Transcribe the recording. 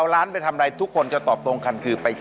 ๑๐ล้านบาทครั้งต่อไป